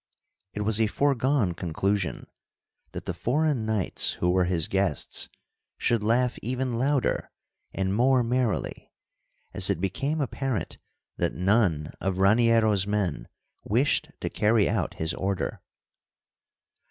It was a foregone conclusion that the foreign knights who were his guests should laugh even louder and more merrily, as it became apparent that none of Raniero's men wished to carry out his order.